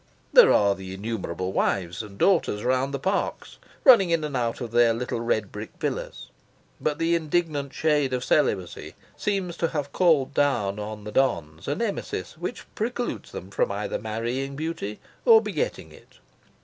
There are the innumerable wives and daughters around the Parks, running in and out of their little red brick villas; but the indignant shade of celibacy seems to have called down on the dons a Nemesis which precludes them from either marrying beauty or begetting it.